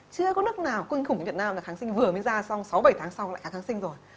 chưa có nước nào quên khủng việt nam là kháng sinh vừa mới ra xong sáu bảy tháng sau lại kháng sinh rồi